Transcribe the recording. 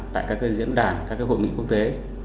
tại các diễn đàn các hội nghị quốc tế